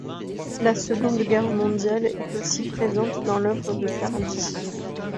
La Seconde Guerre mondiale est aussi présente dans l'œuvre de Tardi.